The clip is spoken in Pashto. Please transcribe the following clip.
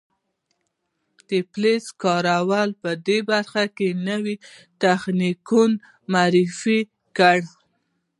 د فلز کارۍ په برخه کې نوي تخنیکونه معرفي کړل.